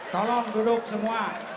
tolong duduk semua